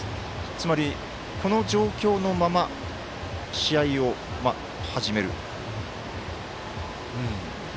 つまり、この状況のまま試合を始める。